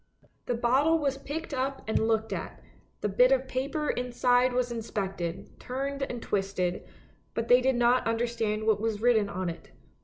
The bottle was picked up and looked at, the bit of paper inside was inspected, turned and twisted, but they did not understand what was written on it.